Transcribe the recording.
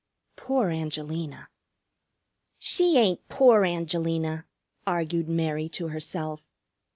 Poor Angelina! "She ain't 'poor Angelina,'" argued Mary to herself.